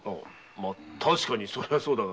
確かにそれはそうだが。